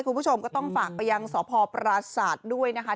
คุณผู้ชมก็ต้องฝากไปยังสพปราศาสตร์ด้วยนะคะ